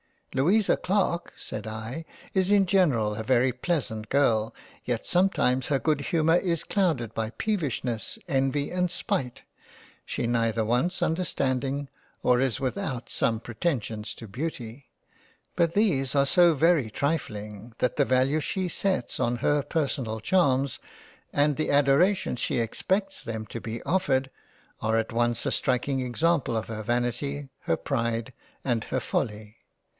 " Louisa Clarke (said I) is in general a very pleasant Girl, yet sometimes her good humour is clouded by Peevishness, Envy and Spite. She neither wants Understanding or is without some pretensions to Beauty, but these are so very trifling, that the value she sets on her personal charms, and the adoration she expects them to be offered are at once a striking example of her vanity, her pride, and her folly."